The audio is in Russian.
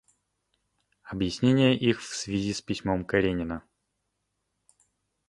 Объяснение их в связи с письмом Каренина.